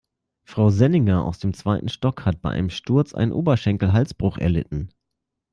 Frau Senninger aus dem zweiten Stock hat bei einem Sturz einen Oberschenkelhalsbruch erlitten.